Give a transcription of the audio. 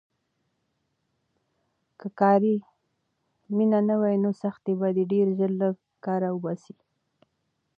که کاري مینه نه وي، نو سختۍ به دې ډېر ژر له کاره وباسي.